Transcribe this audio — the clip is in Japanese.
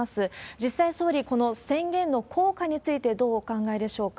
実際、総理、この宣言の効果について、どうお考えでしょうか？